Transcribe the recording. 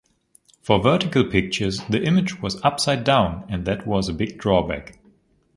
For vertical pictures, the image was upside down, and that was a big drawback.